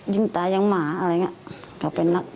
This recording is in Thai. ยิ่งตายอย่างหมาอะไรอย่างนี้